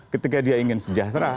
ketika dia ingin sejahtera